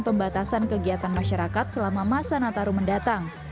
pembatasan kegiatan masyarakat selama masa nataru mendatang